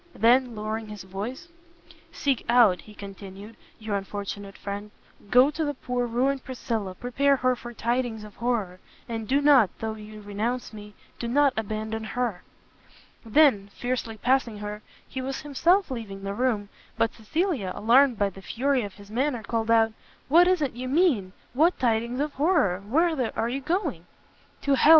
then, lowering his voice, "seek out," he continued, "your unfortunate friend, go to the poor ruined Priscilla, prepare her for tidings of horror! and do not, though you renounce Me, do not abandon Her!" Then, fiercely passing her, he was himself leaving the room; but Cecilia, alarmed by the fury of his manner, called out, "What is it you mean? what tidings of horror? whither are you going?" "To hell!"